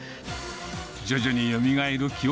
徐々によみがえる記憶。